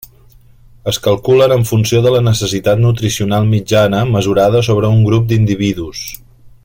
Es calculen en funció de la necessitat nutricional mitjana mesurada sobre un grup d'individus.